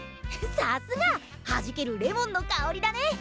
さすが「はじけるレモンの香り」だね！